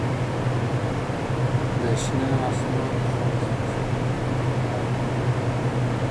د شنه اسمان ښايسته ستوري مي په ياد كي نه دي!!